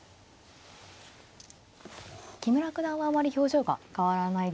木村九段はあまり表情が変わらないですよね。